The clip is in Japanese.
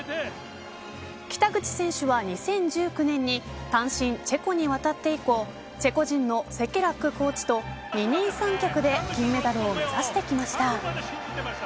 北口選手は２０１９年に単身チェコに渡って以降チェコ人のセケラックコーチと二人三脚で金メダルを目指してきました。